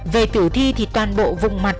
về tử thi thì toàn bộ vùng mặt